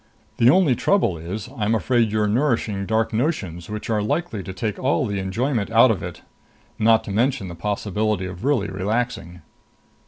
The only trouble is I'm afraid you're nourishing dark notions which are likely to take all the enjoyment out of it. Not to mention the possibility of really relaxing."